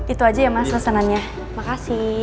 itu aja ya mas pesanannya makasih